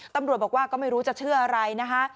ตำรวจบอกว่าก็ไม่รู้จะเชื่ออะไรนะคะ